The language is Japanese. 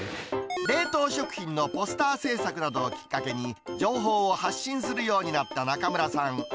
冷凍食品のポスター制作などをきっかけに、情報を発信するようになった中村さん。